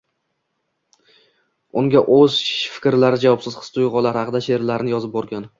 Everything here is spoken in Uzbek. unga o‘z fikrlari, javobsiz his-tuyg‘ulari haqida she’rlarni yozib borgan.